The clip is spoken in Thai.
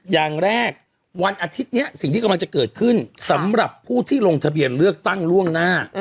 อย่างแรกวันอาทิตย์นี้สิ่งที่กำลังจะเกิดขึ้นสำหรับผู้ที่ลงทะเบียนเลือกตั้งล่วงหน้า